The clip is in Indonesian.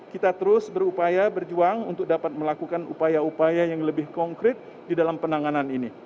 kita terus berupaya berjuang untuk dapat melakukan upaya upaya yang lebih konkret di dalam penanganan ini